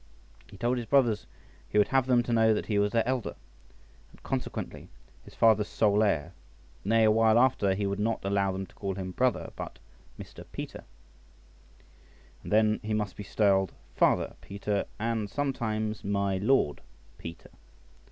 He told his brothers he would have them to know that he was their elder, and consequently his father's sole heir; nay, a while after, he would not allow them to call him brother, but Mr. Peter; and then he must be styled Father Peter, and sometimes My Lord Peter.